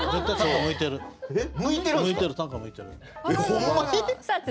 向いてる短歌向いてる。